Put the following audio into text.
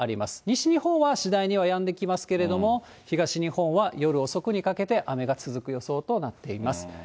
西日本は次第にはやんできますけれども、東日本は夜遅くにかけて雨が続く予想となっています。